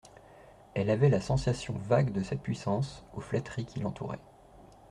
Elle avait la sensation vague de sa puissance, aux flatteries qui l'entouraient.